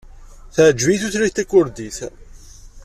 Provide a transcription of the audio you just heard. Teɛjeb-iyi tutlayt takurdit.